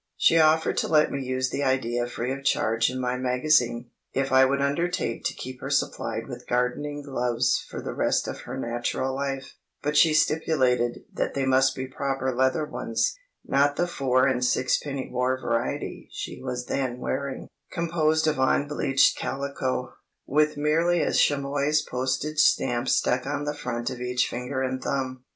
She offered to let me use the idea free of charge in my magazine, if I would undertake to keep her supplied with gardening gloves for the rest of her natural life; but she stipulated that they must be proper leather ones, not the four and sixpenny war variety she was then wearing, composed of unbleached calico, with merely a chamois postage stamp stuck on the front of each finger and thumb.